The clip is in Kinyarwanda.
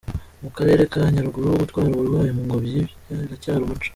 Mu karere ka Nyaruguru gutwara abarwayi mu ngobyi biracyari umuco.